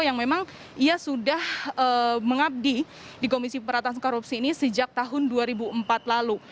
yang memang ia sudah mengabdi di komisi peratasan korupsi ini sejak tahun dua ribu empat lalu